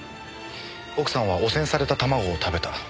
奥さんは汚染された卵を食べた。